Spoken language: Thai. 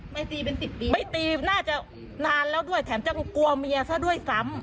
ตีเป็นสิบปีไม่ตีน่าจะนานแล้วด้วยแถมจะกลัวเมียซะด้วยซ้ำ